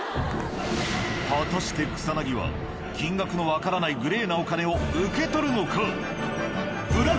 果たして草薙は金額のわからないグレーなお金を受け取るのか？